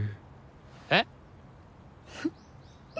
えっ！？